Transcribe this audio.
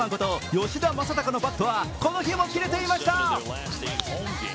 吉田正尚のバットは、この日もキレていました。